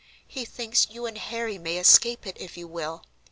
He thinks you and Harry may escape it, if you will.